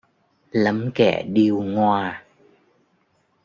Lắm kẻ điêu ngoa